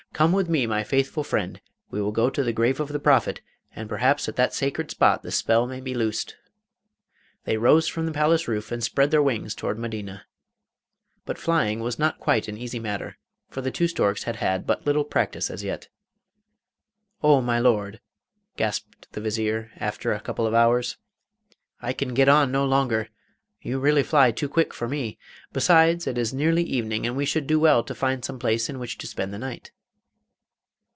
Come with me, my faithful friend; we will go to the grave of the Prophet, and perhaps at that sacred spot the spell may be loosed.' They rose from the palace roof, and spread their wings toward Medina. But flying was not quite an easy matter, for the two storks had had but little practice as yet. 'Oh, my Lord!' gasped the Vizier, after a couple of hours, 'I can get on no longer; you really fly too quick for me. Besides, it is nearly evening, and we should do well to find some place in which to spend the night.